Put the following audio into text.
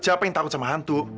siapa yang takut sama hantu